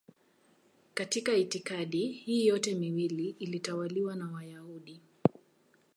Katika itikadi hii yote miwili ilitawaliwa na Wayahudi.